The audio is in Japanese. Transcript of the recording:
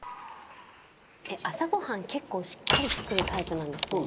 「朝ごはん結構しっかり作るタイプなんですね」